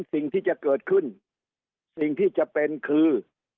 สิ่งที่จะเกิดขึ้นสิ่งที่จะเป็นคือ